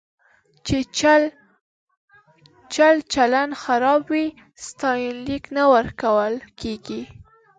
چې چلچلن خراب وي، ستاینلیک نه ورکول کېږي.